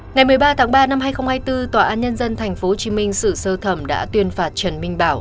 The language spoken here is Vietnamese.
ngày một mươi ba tháng ba năm hai nghìn hai mươi bốn tòa án nhân dân tp hcm xử sơ thẩm đã tuyên phạt trần minh bảo